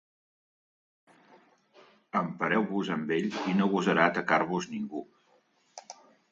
Empareu-vos amb ell, i no gosarà atacar-vos ningú!